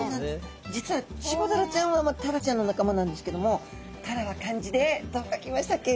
実はチゴダラちゃんはタラちゃんの仲間なんですけどもタラは漢字でどう書きましたっけ？